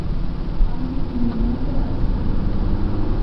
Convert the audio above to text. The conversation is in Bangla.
আমি ইলিনিয়তে আছি।